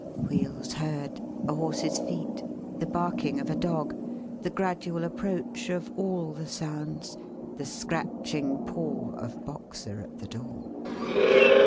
Wheels heard. A horse's feet. The barking of a dog. The gradual approach of all the sounds. The scratching paw of Boxer at the door!